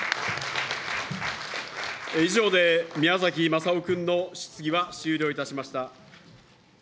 以上で宮崎雅夫君の質疑は終了いたしました。